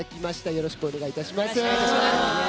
よろしくお願いします。